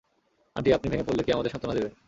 Aunty, আপনি ভেঙ্গে পরলে, কে আমাদের সান্ত্বনা দেবে?